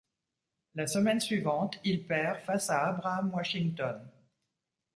La semaine suivante il perd face à Abraham Washington.